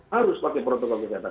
harus pakai protokol kesehatan